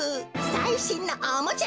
さいしんのおもちゃ。